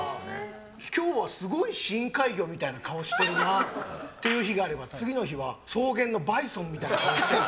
今日はすごい深海魚みたいな顔してるなっていう日があれば次の日は草原のバイソンみたいな。